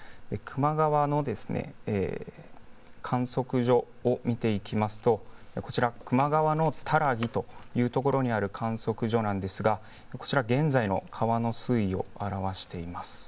球磨川の観測所を見ていきますとこちら球磨川の多良木というところにある観測所なんですがこちら現在の川の水位を表しています。